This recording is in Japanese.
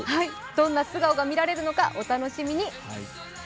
どんな素顔が見られるのかお楽しみに。